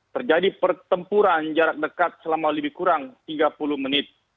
terjadi pertempuran jarak dekat selama lebih kurang tiga puluh menit